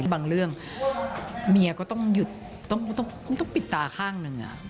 บางเรื่องเมียก็ต้องปิดตาข้างหนึ่ง